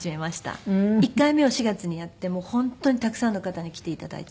１回目を４月にやって本当にたくさんの方に来て頂いて。